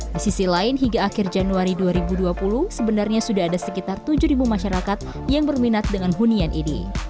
di sisi lain hingga akhir januari dua ribu dua puluh sebenarnya sudah ada sekitar tujuh masyarakat yang berminat dengan hunian ini